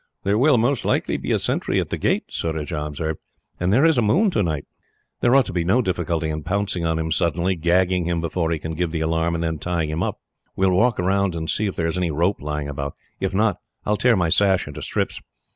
"There will, most likely, be a sentry at the gate," Surajah observed, "and there is a moon tonight." "There ought to be no difficulty in pouncing on him suddenly, gagging him before he can give the alarm, and then tying him. We will walk round and see if there is any rope lying about. If not, I will tear my sash into strips.